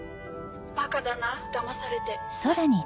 ・バカだなだまされて・えっ？